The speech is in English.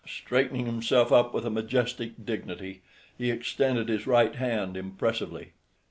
Straightening himself up with a majestic dignity, he extended his right hand impressively.